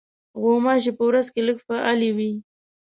غوماشې په ورځ کې لږ فعالې وي.